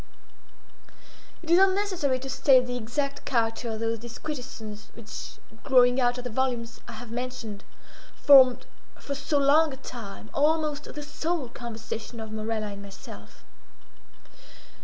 It is unnecessary to state the exact character of those disquisitions which, growing out of the volumes I have mentioned, formed, for so long a time, almost the sole conversation of Morella and myself.